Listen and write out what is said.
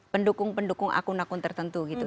pendukung pendukung akun akun tertentu gitu